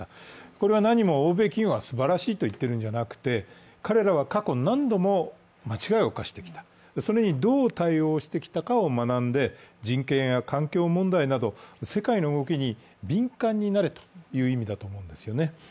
これは何も欧米企業がすばらしいと言っているんじゃなくて、彼らは過去何度も間違いを犯してきた、それにどう対応してきたかを学んで人権や環境問題など、世界の動きに敏感になれという意味だと思うんですよね。